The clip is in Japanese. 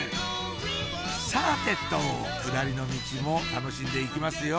さてと下りのミチも楽しんでいきますよ